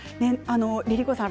ＬｉＬｉＣｏさん